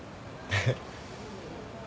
えっ？